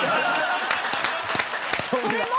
それも？